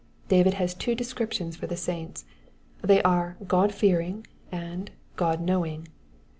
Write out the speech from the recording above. David has two descriptions for the saints, they are God fearing and God knowing.